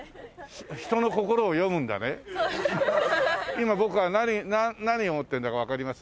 今僕は何を思ってるんだかわかります？